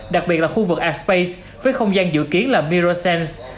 đặc biệt là khu vực art space với không gian dự kiến là mirror sense